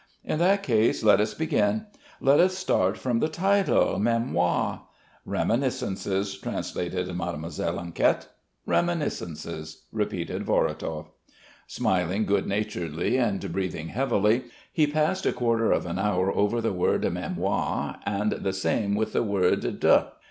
"In that case let us begin. Let us start from the title, Mémoires." "Reminiscences...." translated Mademoiselle Enquette. "Reminiscences...." repeated Vorotov. Smiling good naturedly and breathing heavily, he passed a quarter of an hour over the word mémoires and the same with the word _de.